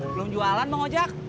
belum jualan pak ojak